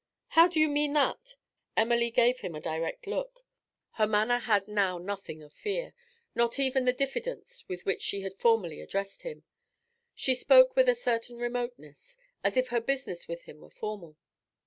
'How do you mean that?' Emily gave him a direct look. Her manner had now nothing of fear, nor even the diffidence with which she had formerly addressed him. She spoke with a certain remoteness, as if her business with him were formal.